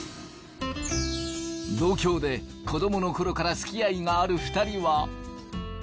同郷で子どもの頃から付き合いがある２人は。